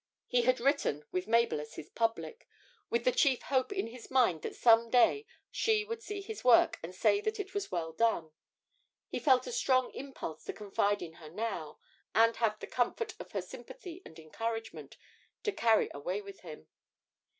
He had written with Mabel as his public; with the chief hope in his mind that some day she would see his work and say that it was well done. He felt a strong impulse to confide in her now, and have the comfort of her sympathy and encouragement to carry away with him.